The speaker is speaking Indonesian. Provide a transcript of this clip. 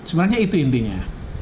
sebenarnya itu intinya